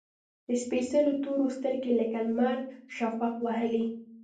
د سپیڅلو تورو، سترګې لکه لمر شفق وهلي